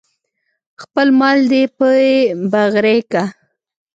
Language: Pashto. خپل مال دې پې بغرۍ که.